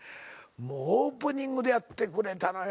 オープニングでやってくれたのよ